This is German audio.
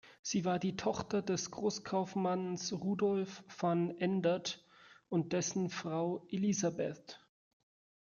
Sie war die Tochter des Großkaufmanns Rudolf van Endert und dessen Frau Elisabeth.